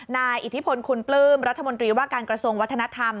อิทธิพลคุณปลื้มรัฐมนตรีว่าการกระทรวงวัฒนธรรม